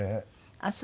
ああそう。